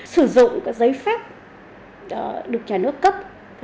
sử dụng giấy phép được nhà nước cấp